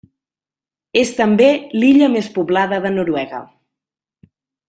És també l'illa més poblada de Noruega.